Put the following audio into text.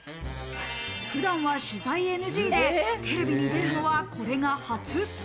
普段は取材ＮＧで、テレビに出るのは、これが初。